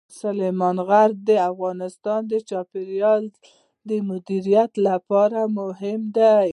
سلیمان غر د افغانستان د چاپیریال د مدیریت لپاره مهم دي.